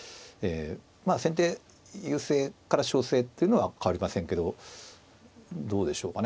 まあ先手優勢から勝勢っていうのは変わりませんけどどうでしょうかね。